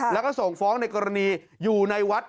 แล้วก็ส่งฟ้องในกรณีอยู่ในวัด